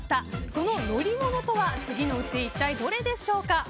その乗り物とは次のうち一体どれでしょうか。